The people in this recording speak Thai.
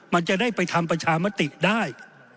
มันจะได้ไปทำประชามติได้